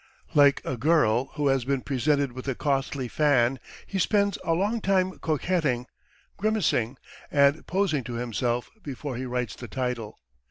Like a girl who has been presented with a costly fan, he spends a long time coquetting, grimacing, and posing to himself before he writes the title.